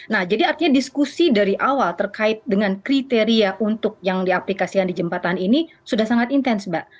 nah jadi artinya diskusi dari awal terkait dengan kriteria untuk yang diaplikasikan di jembatan ini sudah sangat intens mbak